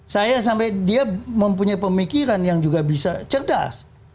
saya sampai dia mempunyai pemikiran yang juga bisa cerdas